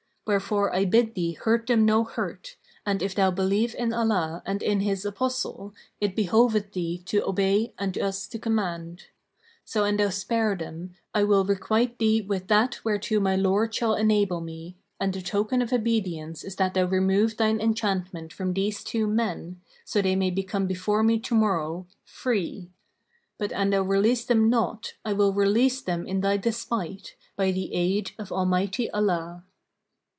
Wherefore I bid thee hurt them no hurt, and if thou believe in Allah and in His Apostle, it behoveth thee to obey and us to command.[FN#540] So an thou spare them, I will requite thee with that whereto my Lord shall enable me; and the token of obedience is that thou remove thine enchantment from these two men, so they may come before me to morrow, free. But an thou release them not, I will release them in thy despite, by the aid of Almighty Allah."